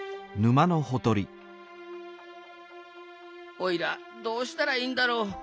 おいらどうしたらいいんだろう。